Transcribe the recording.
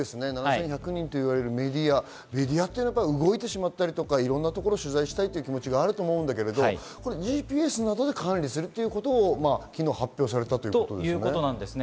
メディアは動いてしまったりとか、いろんなところを取材するという気持ちがあると思うんだけれどもＧＰＳなどで管理するということを昨日、発表されたということですね。